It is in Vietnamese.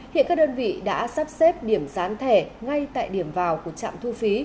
hiện các đơn vị đã sắp xếp điểm gián thẻ ngay tại điểm vào của trạm thu phí